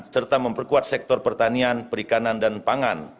serta memperkuat sektor pertanian perikanan dan pangan